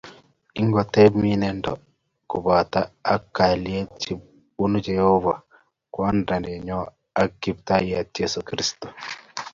Ingoteb mieindo kobotok ak kalyet che bunu Jehova Kwandanyo ak Kiptaiyat Jesu Kristo.